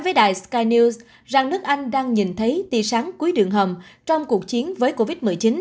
với đài skyn news rằng nước anh đang nhìn thấy tia sáng cuối đường hầm trong cuộc chiến với covid một mươi chín